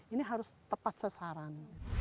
ini harus tepat sasaran